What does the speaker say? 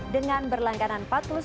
dengan berlangganan di catch play plus